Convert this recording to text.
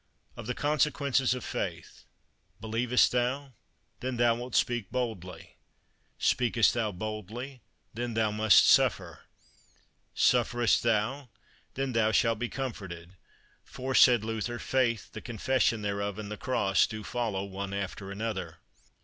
Of the Consequences of Faith. Believest thou? then thou wilt speak boldly. Speakest thou boldly? then thou must suffer. Sufferest thou? then thou shalt be comforted. For, said Luther, faith, the confession thereof, and the cross do follow one after another.